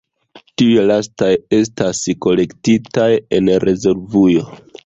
Tiuj lastaj estas kolektitaj en rezervujo.